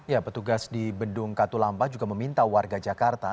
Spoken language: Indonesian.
ya petugas di bendung katulampa juga meminta warga jakarta